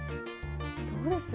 どうです？